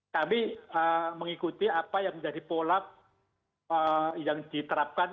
kami mengikuti apa yang menjadi pola yang diterapkan